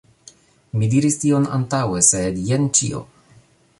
Mi diris tion antaŭe, sed jen ĉio.